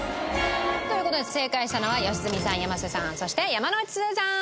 という事で正解したのは良純さん山瀬さんそして山之内すずさん。